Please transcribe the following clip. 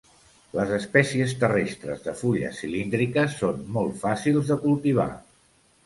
Les espècies terrestres de fulles cilíndriques són molt fàcils de cultivar.